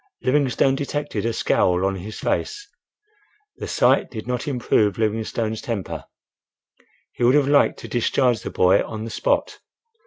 Livingstone detected a scowl on his face. The sight did not improve Livingstone's temper. He would have liked to discharge the boy on the spot.